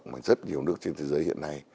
mà rất nhiều nước trên thế giới hiện nay